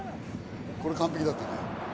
これ完璧だったね。